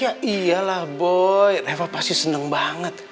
ya iyalah boy reva pasti seneng banget